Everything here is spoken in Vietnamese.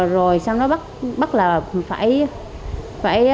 rồi xong nó bắt là phải